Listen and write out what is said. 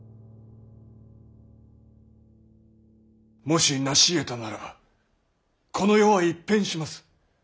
もし成しえたならばこの世は一変します。